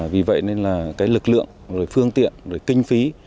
vì vậy nên lực lượng phương tiện kinh phí